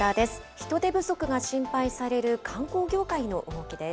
人手不足が心配される観光業界の動きです。